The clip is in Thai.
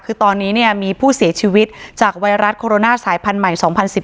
คือตอนนี้มีผู้เสียชีวิตจากไวรัสโคโรนาสายพันธุ์ใหม่๒๐๑๘